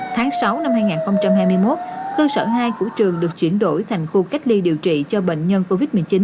tháng sáu năm hai nghìn hai mươi một cơ sở hai của trường được chuyển đổi thành khu cách ly điều trị cho bệnh nhân covid một mươi chín